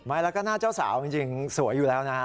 ไม่แล้วก็หน้าเจ้าสาวจริงสวยอยู่แล้วนะ